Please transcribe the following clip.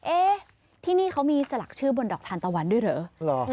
เอ๊ะที่นี่เขามีสลักชื่อบนดอกทานตะวันด้วยเหรอ